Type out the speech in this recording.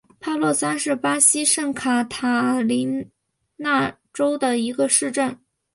帕略萨是巴西圣卡塔琳娜州的一个市镇。